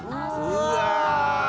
うわ！